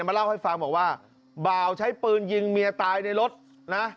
มาเล่าให้ฟังบอกว่าบ่าวใช้ปืนยิงเมียตายในรถนะ